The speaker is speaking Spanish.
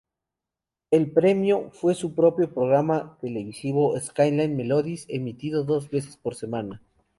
El premio fue su propio programa televisivo, "Skyline Melodies", emitido dos veces por semana.